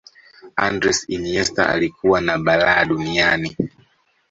andres iniesta alikuwa na balaa duniani